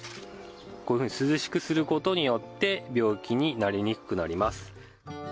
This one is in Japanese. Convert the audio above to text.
こういうふうに涼しくする事によって病気になりにくくなります。